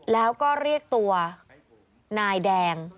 แล้วก็เรียกตัวนายแดง